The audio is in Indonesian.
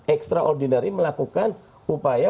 ekstraordinari melakukan upaya